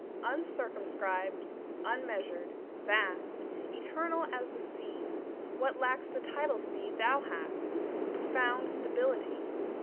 UNCIRCUMSCRIBED, unmeasured, vast, Eternal as the Sea; What lacks the tidal sea thou hast Profound stability.